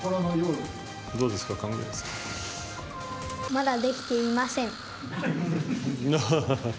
まだできていません。